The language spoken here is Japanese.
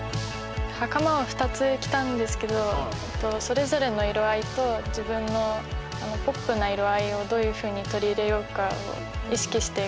袴を２つ着たんですけどそれぞれの色合いと自分のポップな色合いをどういうふうに取り入れようかを意識して描きました。